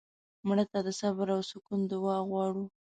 مړه ته د صبر او سکون دعا غواړو